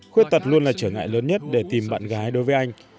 khuyết tật luôn là trở ngại lớn nhất để tìm bạn gái đối với anh